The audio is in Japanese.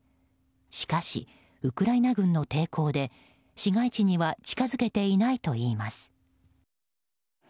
しかし、ウクライナ軍の抵抗で市街地には近づけていないといいます。